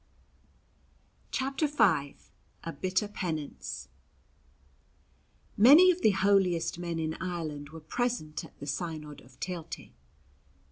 CHAPTER V A BITTER PENANCE MANY of the holiest men in Ireland were present at the Synod of Teilte.